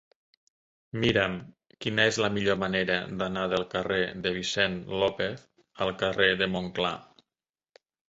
Mira'm quina és la millor manera d'anar del carrer de Vicent López al carrer de Montclar.